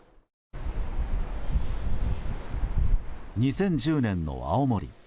２０１０年の青森。